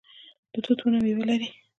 د توت ونه میوه لري